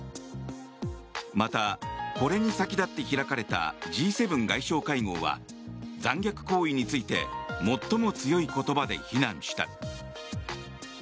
またこれに先立って開かれたＧ７外相会合は残虐行為について最も強い言葉で非難した。